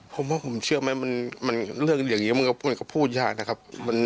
ผมว่าผมเชื่อมั้ยเรื่องรึอยังนี้ก็พูดยากนะครับ